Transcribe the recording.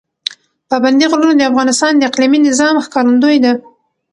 پابندی غرونه د افغانستان د اقلیمي نظام ښکارندوی ده.